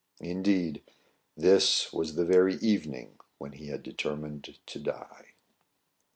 Indeed, this was the very evening when he had determined to die.